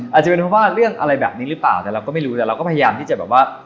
อาจจะเป็นเพราะว่าเรื่องอะไรแบบนี้หรือเปล่าแต่เราก็ไม่รู้แต่เราก็พยายามที่จะแบบว่า